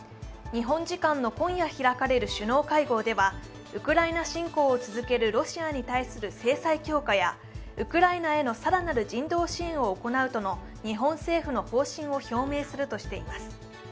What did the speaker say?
日本時間の今夜開かれる首脳会合ではウクライナ侵攻を続けるロシアに対する制裁強化やウクライナへの更なる人道支援を行うとの日本政府の方針を表明するとしています。